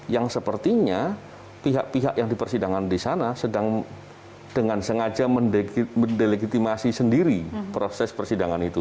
yang sepertinya pihak pihak yang di persidangan di sana sedang dengan sengaja mendelegitimasi sendiri proses persidangan itu